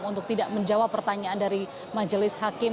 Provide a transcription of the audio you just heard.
setia novanto menjawab pertanyaan dari majelis hakim